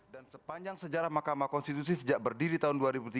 dan sepanjang sejarah mahkamah konstitusi sejak berdiri tahun dua ribu tiga